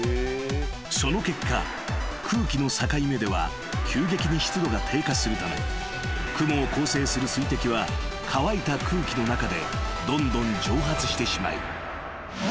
［その結果空気の境目では急激に湿度が低下するため雲を構成する水滴は乾いた空気の中でどんどん蒸発してしまい］